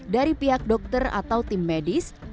dari pihak dokter atau tim medis